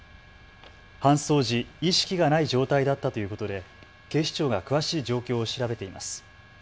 搬送時、意識がない状態だったということで警視庁が詳しい状況を調べています。